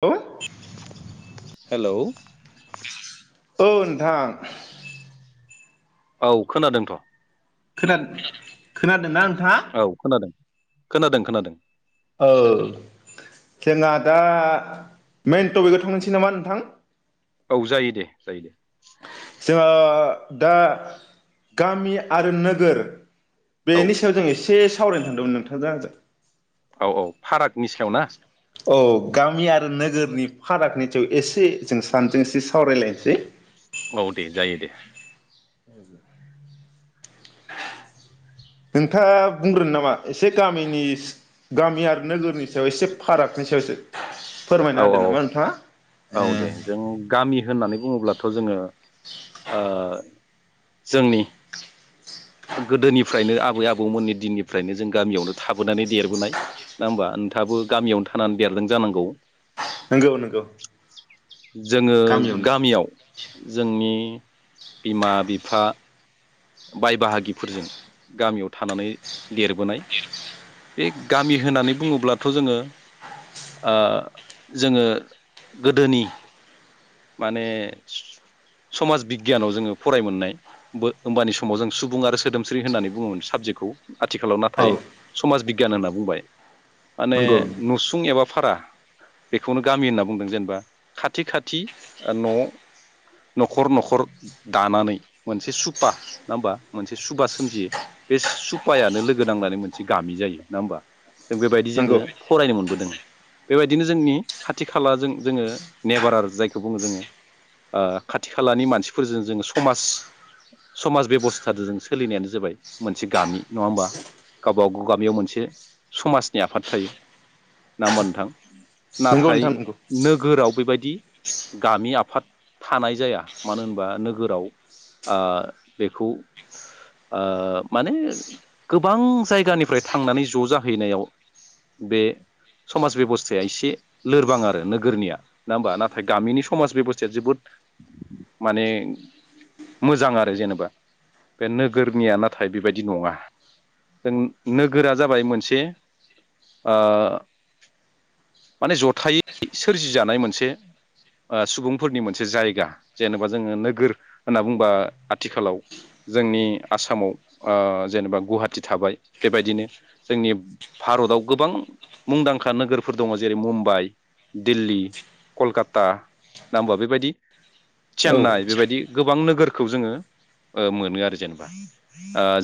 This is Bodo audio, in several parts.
औ। हेलौ। औ नोंथां। औ खोनादोंथ'। खोनादो खोनादोंना? आं औ खोनादों। खोनादों खोनादों। ओ जोंहा दा मेइन टपिकआव थांनोसै नामा नोंथां? औ जायो दे जायो। जोहा दा गामि आरो नोगोर औ बेनि सायाव जों एसे स सावरायनो थांदोंमोन नोंथांजों आजों। औ औ फारागनि सायाव ना? औ गामि आरो नोगोरनि फारागनि सायाव एसे जों सानजों एसे सावरायलायन सै। औ दे जायो दे। नोंथाङा बुंग्रोनो नामा एसे गामिनि गामि आरो नोगोरनि सायाव एसे फारागनि सायावसो। फोरमायना औ होदो औ नामा नोंथाङा? ए औ दे जों गामि होननानै बुङोब्लाथ' जोङो ओ जोंनि गोदोनिफ्रायनो आबै आबौमोननि दिननिफ्रायनो जों गामियावनो थाबोनानै देरबोनाय नङा होमबा नोंथाङाबो गामियावनो थानानै देरदों जानांगौ। नंगौ नंगौ [inaudible] जोङो गामियावनो गामियाव जोंनि बिमा बिफा बाय बाहागिफोरजों गामियाव थानानै देरबोनाय। बे गामि होननानै बुङोब्लाथ' जोङो ओ जोङो गोदोनि माने स-समाज बिगियानाव जोङो फराय मोननाय बो होमबानि समाव जों सुबुं आरो सोदोमस्रि होननानै बुङोमोन साबजेक्टखौ। आथिखालाव नाथाय औ समाज बिग गियान होनना बुंबाय। माने नंगौ नसुं एबा फारा बेखौनो गामि होनना बुंदों जेनेबा खाथि- खाथि ओ न' न'खर न'खर दानानै मोनसे सुबा नङा होमबा मोनसे सुबा सोमजियो बे सुबायानो लोगो नांनानै मोनसे गामि जायो। नङा होमबा? बेबायदि जोङो नंगौ फरायनो मोनबोदों। बेबायदिनो जोंनि खाथि खालाजों जोङो नेबारार आरो जायख खौ बुङो जोङो ओ खाथि खालानि मानसिफोरजों जोङो समाज समाज बेब'स्थादों जों सोलिनायानो जाबाय मोनसे गामि। नङा होमबा गावबागाव गामियाव मोनसे समाजनि आफाद थायो नङा होमबा नोंथां? नंगौ नाथाय नोंथां नंगौ नोगोराव बेबायदि दि गामि आफाद थानाय जाया मानो होनबा नोगोराव ओ बेखौ ओ माने गोबां जायगानिफ्राय थांनानै ज' जाहैनायाव बे समाज बेबस्थाया एसे लोरबां आरो नोगोरनिया नङा ओमबा ना थाय गामिनि समाज बेब'स्थाया जोबोद माने मोजां आरो जेनेबा बे नोगोरनिया नाथाय बेबायदि नङा जों नोगोरा जाबाय मोनसे ओ माने जथायै सोरजिजानाय मोनसे ओ सुबुंफोरनि मोनसे जायगा। जेनेबा जोङो नोगोर होनना बुंबा आथिखालाव जोंनि आसामाव ओ जेनेबा गुहाटि थाबाय। बेबायदिनो जोंनि भारताव गोबां मुंदांखा नोगोरफोर दङ जेरै मुम्बाइ, दिल्ली कलकाता ना होमबा बेबायदि औ चेन्नाइ बेबायदि गो बां नोगोरखौ जोङो मोनो आरो जेनेबा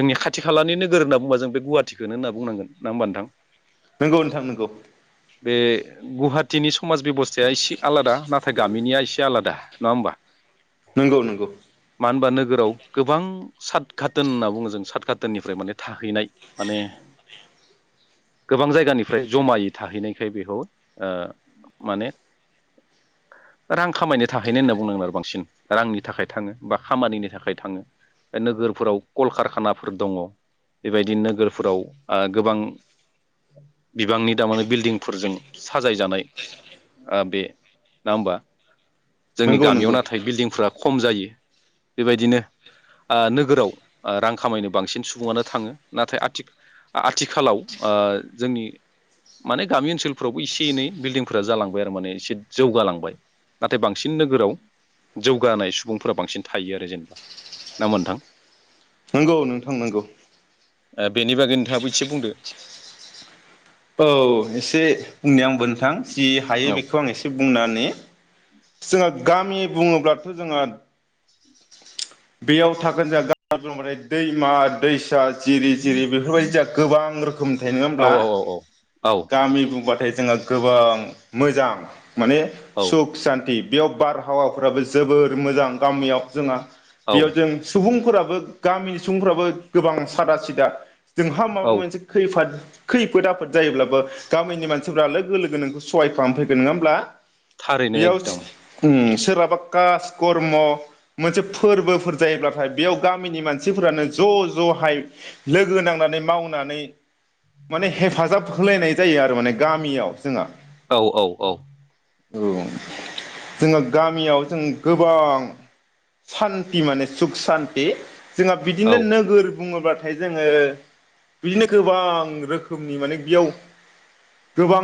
जोंनि खाथि खालानि नोगोर होनना बुंङोबा जों बे गुवाहाटिखौनो होनना बुंनांगोन ना होमबा नोंथां? नंगौ नोंथां नंगौ। बे गुवाहाटिनि समाज बेब'स्थाया एसे - आलादा नाथाय गामिनिया एसे आलादा नङा होमबा? नंगौ नंगौ मानो होनबा नोगोराव गोबां सात धाटोन होनना बुङो जों सात खाटोननिफ्राय माने थाहैनाय माने गोबां जायगानिफ्राय जमायै थाहैनायखाय बेखौ माने रां खामायनो थाहैनो होनना बुंनांगोन आरो बांसिन रांनि थाखाय थाङो बा खामानिनि थाखाय थाङो। नोगोरफोराव कलकारखानाफोर दङ। बेबायदि नोगोरफोराव गोबां बिबांनि तारमाने बिल्डिंफोरजों साजायजानाय अ बे नङा होमबा जोंनि नंगौ गामियाव नंगौ नाथाय बिल्डिंफ्रा खम जायो बेबायदिनो ओ नोगोराव रां खामायनो बांसिन सुबुङानो थाङो नाथाय आथि आथिखालाव जोंनि माने गामि ओनसोलफोरावबो एसे एनै बिल्डिंफोरा जालांबाय। थारमाने इसे जौगालांबाय नाथाय बांसिन नोगोराव जौगानाय सुबुंफोरा बांसिन थायो आरो जेनेबा नङाहोनबा नोंथां? नंगौ नोंथां नांगौ। बेनि बागै नोंथाङाबो एसे बुंदो। औ एसे बुंनि आंबो नोंथां। जि हायो औ बेखौ आं एसे बुंनि जोंहा गामि बुङोब्लाथ' जोंहा बेयाव थागोन जोंहा गामिहोनबाथाय दैमा दैसा जिरि जिरि बेफोरबायदि जोङा गोबां रोखोमनि थायो नङा औ होमब्ला औ औ गामि बुंबाथाय। जोङो गोबां मोजां माने औ सुख सान्ति। बेयाव बारहावाफ्राबो जोबोर मोजां गामियाव जोंहा औ बेयाव जों सुबुं फोराबो गामिनि सुबुंफ्राबो गोबां सादा सिदा जोंहा माबा औ मोनसे खैफोद खैफोद आफोद जायोब्लाबो गामिनि मानसिफ्रा लोगो लोगो नोखौ सहाय खालामफैगोन नंङा होमब्ला? थारैनो बेयाव एकदम उम सोरहाबा कास कर्म मोनसे फोरबो फोर जायोब्लाथाय बेयाव गामिनि मानसिफोरानो ज ज हाय लोगो नांनानै मावनानै माने हेफाजाब होलायनाय जायो आरो मान गामियाव जोंहा। औ औ औ औ जोंङो गामियाव जों गोबां सान टि माने सुख सानटि जोंहा औ बिदिनो नोगोर बुंङोबा नाथाय जोंङो बिदिनो गोबां रोखोमनि माने बेयाव गोबां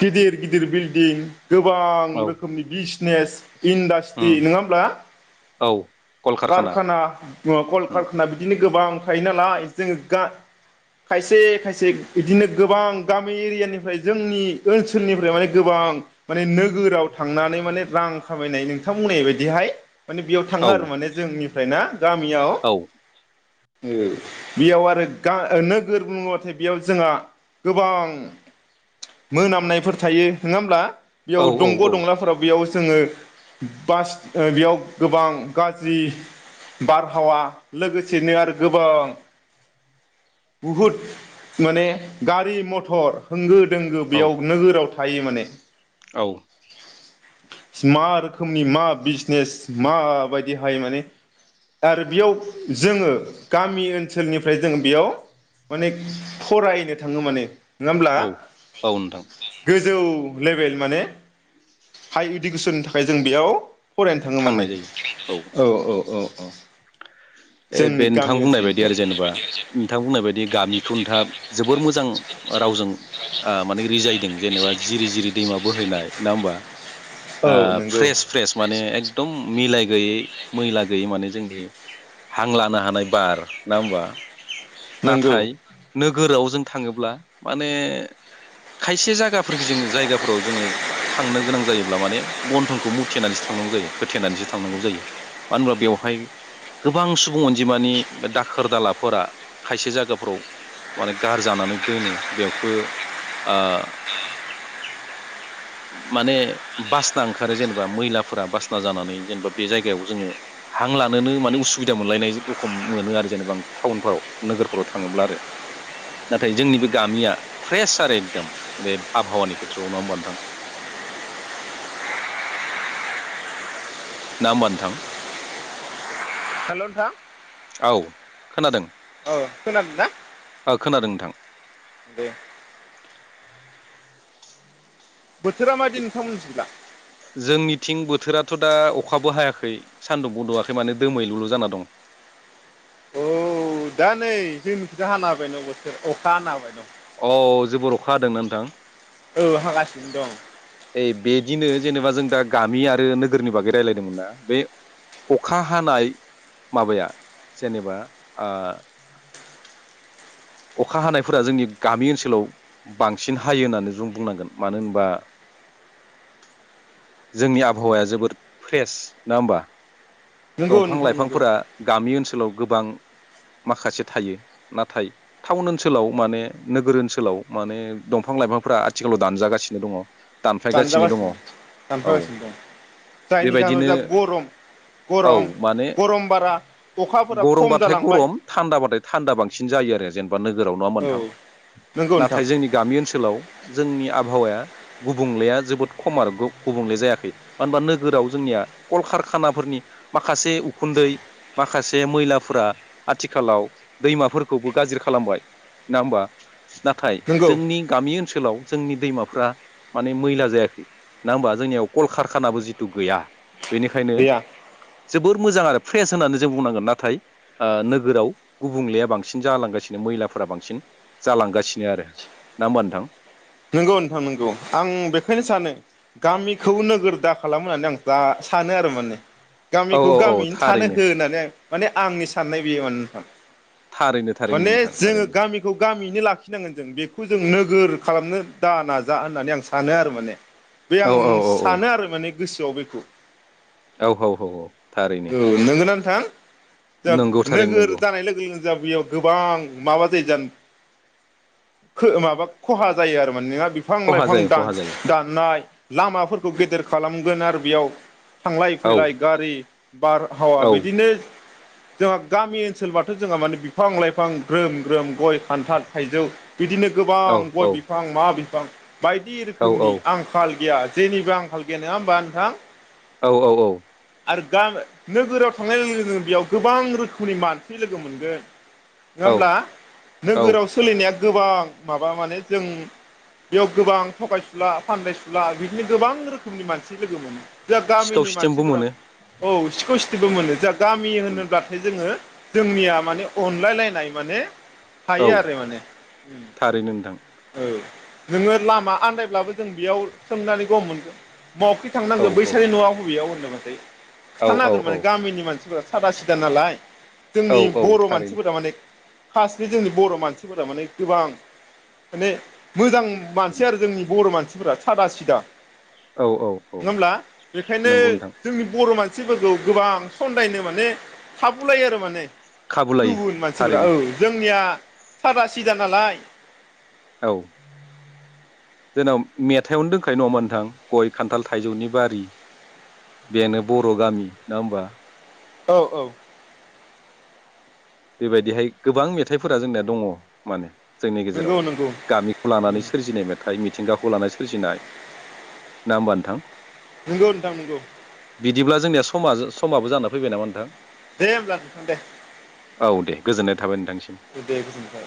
गिदिर गिदिर बिल्डिं गोबां औ रोखोमनि बिस नेस इन्डास्ट्रि उम नोंङा होमब्ला? औ कलकारखाना कारखाना अ उम कलकारखाना बिदि गोबां थायो नालाय जोंङो खायसे खायसे बिदिनो गोबां गामि एरियानिफ्राय जोंनि ओनसोलनिफ्राय माने गोबां माने नोगोराव थांनानै माने रां खामायनाय नोंथां बुंनाय बायदिहाय माने बेयाव थांङो औ आरो माने निफ्राय ना गामियाव औ बेयाव आरो गा नोगोर बुंङोबाथाय बेयाव जोंहा गोबां मोनामनायफोर थायो नंङा होमब्ला बेयाव औ औ दंग' दंलाफोराव बेयाव जोंङो बास बेयाव गोबां गा जि बारहावा लोगोसेनो आरो गोबां बहुद माने गारि मथर होंगो दोंगो औ बेयाव नोगोराव थायो माने औ मा रोखोमनि मा बिजनेस माबायदि दिहाय माने आरो बेयाव जोंङो गामि ओनसोलनिफ्राय जों बेयाव माने फरायनो थांङो माने नङा होमब्ला औ औ नोंथां गोजौ लेभेल माने हाइ इडुकेसननि थाखाय जों बेयाव फरायनो थांङो माने थांनाय जायो औ औ औ जोंनि बे नोंथां गामि बुंनाय बायदि आरो ओनसोलनिफ्राय जेनेबा नोंथां बुंनाय बायदि गामिखौ नोंथाङा जोबोर मोजां रावजों माने रिजाय जेनेबा जिरि जिरि दैमा बोहैनाय ना होनब ओ औ नंगौ फ्रेस फ्रेस एकदम मिलाय गैयै मैला गैयै माने जोंनि हां लानो हानाय बार नङा होमबा नंगौ नाथाय नो गोरोआव जों थाङोब्ला माने खायसे जायगाफोर जों जायगाफोराव जोङो थांनो गोनां जायोब्ला माने गन्थंखौ मुथेनानैसो थांनांगौ जायो होथेनानैसो थांनांगौ जायो मानो होनब्ला बेवहाय गोबां सुबुं अनजिमानि बे दाखोर दालाफोरा खायसे जायगाफोराव माने गारजानानै दोनो बेखौ ओ माने बासना ओंखारो जेनेबा मैलाफोरा बासना जानानै जेनेबा बे जायगायाव जोङो हां लानोनो माने उसुबिदा मोनलायनाय रखम मोनो आरो जेनेबा टाउनफोराव नोगोरफोराव थाङोब्ला आरो नाथाय जोंनि बे गामिया फ्रेस आरो एकदम बे आबहावानि खेथ्रआव नङा होमबा नोंथां ना होनबा नोंथां हेल' नोंथां औ खोनादों औ खोनादों ना औ खोनादों नोंथां दे बोथोरा मायदि नोंथांमोनमि थिंजा जोंनिथिं बोथोराथ' दा अखाबो हायाखै सान्दुंफो दुंआाखै माने दोमैलुलु जाना दं औ दा नै जोंनिखै हाना होबाय न बोथोर अखा हाना होबाय दं अ जेबोर अखा हादोंना नोंथां औ हागासिनो दं ओइ बेदिनो जेनेबा जों दा गामिआरि नोगोरनि बागै रायजलायदोंमोनना बे अखा हानाय माबाया जेनेबा ओ अखा हानायफोरा जोंनि गामि ओनसोलाव बांसिन हायो होननानै जों बुंनांगोन मानो होनबा जोंनि आबहावाया जोबोद फ्रेस नङा होनबा नंगौ दंफां नोंथां नंगौ लाइफांफोरा गामि ओनसोलाव गोबां माखासे थायो नाथाय टाउन ओनसोलाव माने नोगोर ओनसोलाव माने दंफां लाइफांफ्रा आथिखालाव दानजागासिनो दङ दानफायगासिनो दङ दानजागासिनो औ दानफागासिनो दं जायनि जाहोनाव बेबायदिनो जा गरम औ गरम माने गरम बारा अखाफोरा खम गरमबाथाय जालांबाय गरम थान्दाबाथाय थान्दा बांसिन जायो आरो जेनेबा नोगोराव नङा होमबा औ नोंथां नंगौ नोंथां नाथाय जोंनि गामि ओनसोलाव जोंनि आ आबहावाया गुबुंलेया जोबोद खम आरो गु गुबुंले जायाखै मानो होनबा नोगोराव जोंनिया कलकारखानाफोरनि माखासे उखुन्दै माखासे मैलाफोरा आथिखालाव दैमाफोरखौबो गाज्रि खालामबाय ना होमबा नाथाय नंगौ जोंनि गामि ओनसोलाव जोंनि दैमाफ्रा माने मैला जायाखै ना होमबा जोंनियाव कलकारखानाबो जिथु गैया बेनिखायनो गैया जोबोर मोजां आरो फ्रेस होन्नानै जों बुंनांगोन नाथाय नोगोराव गुबुंलेया बांसिन जालांगासिनो मैलाफोरा बांसिन जालांगासिनो आरो ना होमबा नोंथां नोंगौ नोंथां नोंगौ आं बेखायनो सानो गामिखौ नोगोर दा खालाम होननानै आं दा सानो आरो माने औ गामिखौ औ औ गामियैनो थानो थारैनो हो होननानै आं माने आंनि साननाय बेयो मान नोंथां थारैनो थारैनो माने नोंथां जोङो थारैनो गामिखौ गामियैनो लाखिनांगोन जों बेखौ जों नोगोर खालामनो दा नाजा होननानै आं सानो आरो माने बे औ आं औ औ सानो आरो माने गोसोआव बेखौ- औ हौ हौ हौ थारैनो थां जा नंगौ थारैनो नोगोर नंगौ जानाय लोगो लोगो दा बेयाव गोबां माबा जायो जा खो माबा खहा जायो आरोमा नोङा बिफां खहा लाइफां जायो खहा दानस जायो दाननाय। लामाफोरखौ गेदेर खालामगोन आरो बेयाव थांलाय औ फैलाय गारि बारहावा औ बिदिनो जोंहा गामि ओनसोलबाथ' जोंहा माने बिफां लाइफां ग्रोम ग्रोम गय खान्थाल थाइजौ बिदिनो औ गोबां गय औ बिफां मा बिफां बायदि औ रोखोमनि आंखाल गिया जेनिबो आंखाल गैया नङा होमबा नोंथां? औ औ औ। आरो गा नोगोराव थांनाय लोगो लोगो बेयाव गोबां रोखोमनि मानसि लोगो मोनगोन नङा औ होमब्ला औ नोगोराव सोलिनाया गोबां माबा माने जों बेयाव गोबां थगायसुला फानदायसुला बिदिनो गोबां रोखोमनि मानसि लोगो मोनो। जा सिखाव गामिनि सिथेमबो मानसिफोरा मोनो औ सिखौ सिथथिबो मोनो जा गामि होनोब्लाथाय जोङो जोंनिया माने अनलायलायनाय माने औ थायो आरो माने थारैनो नोंथां। औ नोङो लामा आन्दायब्लाबो जों बेयाव सोंनानै गम मोनगोन। बहाखै औ थांनांगौ औ बैसानि न'आ हबेयाव होन ओमफ्राय औ खिथाना औ हागोन माने औ गामिनि मानसिफोरा सादा सिदा नालाय औ जोंनि औ बर' थारैनो मानसिफोरा माने खास्रि जोंनि बर' मानसिफोरा माने गोबां माने मोजां मानसि आरो जोंनि बर' मानसि सुबुंफोरा सादा सिदा औ औ औ नङा होमब्ला बेखायनो नंगौ नोंथां जोंनि बर' मान मानसिफोरखौ गोबां सनन्दायनो माने खाबुलायो आरो माने। खाबु लायो गुबुन मानसिफोरा थारैनो औ जोंनिया सादा सिदा नालाय औ जोंनाव मेथाइआवनो दंखायो नङामोन नोंथां गय, खान्थाल, थाइजौनि बारि बेनो बर' गामि नङा होमबा औ औ बेबायदिहाय गोबां मेथाइफोरा जोंनाया दङ माने जोंनि नंगौ गेजेराव नंगौ गामिखौ लानानै सोरजिनाय मेथाइ मि थिंगाखौ लानाय सोरजिनाय ना होमबा नोंथां नोंगौ नोंथां नोंगौ बिदिब्ला जोंनिया समाज-समाबो जानानै फैबाय नामा नोंथां दे होमब्ला दे औ दे गोजोननाय थाबाय नोंथांसिम दे गोजोनबाय